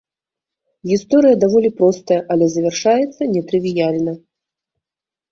Гісторыя даволі простая, але завяршаецца нетрывіяльна.